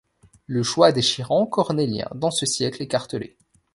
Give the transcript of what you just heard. Le choix déchirant, cornélien dans ce siècle écartelé.